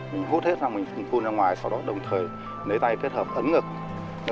mình hút hết ra mình cung ra ngoài sau đó đồng thời lấy tay kết hợp ấn ngực